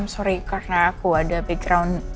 sorry karena aku ada background